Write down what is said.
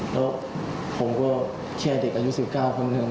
แล้วผมก็เชียร์เด็กอายุสิบเก้าคนหนึ่ง